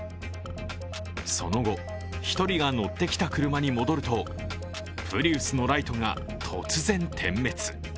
その後、１人が乗ってきた車に戻ると、プリウスのライトが突然、点滅。